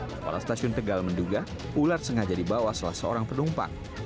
kepala stasiun tegal menduga ular sengaja dibawa salah seorang penumpang